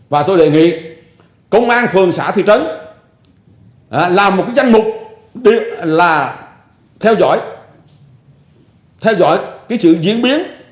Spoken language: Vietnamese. và tôi đề nghị công an phường xã thị trấn làm một danh mục là theo dõi sự diễn biến